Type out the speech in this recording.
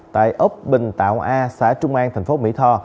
tại ấp bình tạo a xã trung an thành phố mỹ tho